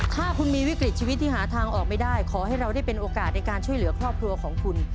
ถ้าคุณมีวิกฤตชีวิตที่หาทางออกไม่ได้ขอให้เราได้เป็นโอกาสในการช่วยเหลือครอบครัวของคุณ